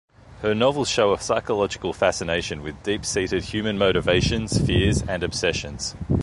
Her novels show "a psychological fascination with deep-seated human motivations, fears and obsessions".